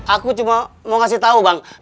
aku cuma mau ngasih tau bang